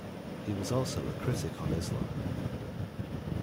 He was also a critic on Islam.